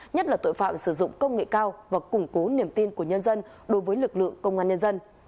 nhất là tội phạm sử dụng công nghệ cao và củng cố niềm tin của nhân dân đối với lực lượng công an nhân dân